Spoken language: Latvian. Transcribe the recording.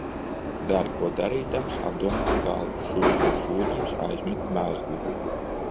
Dari ko darīdams, apdomā galu; šuj ko šūdams, aizmet mezglu.